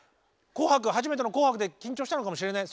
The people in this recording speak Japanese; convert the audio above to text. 「紅白」が初めての「紅白」で緊張したのかもしれない。